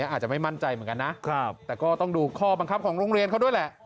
อาจจะไม่มั่นใจเหมือนกันนะแต่ก็ต้องดูข้อบังคับของโรงเรียนเขาด้วยแหละ